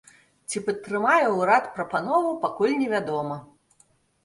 Ці патрымае ўрад прапанову, пакуль невядома.